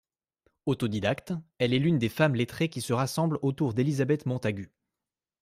Autodidacte, elle est l'une des femmes lettrées qui se rassemblent autour d'Elizabeth Montagu.